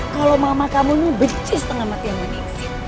kalau mama kamu ini benci setengah mati sama ningsih